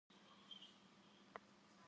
Psı kuedır kxhuh zêk'uap'eş.